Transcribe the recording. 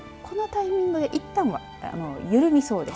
このタイミングでいったんは緩みそうです。